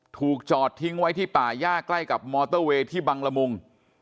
ถูกจอดทิ้งไว้ที่ป่าย่าใกล้กับมอเตอร์เวย์ที่บังละมุง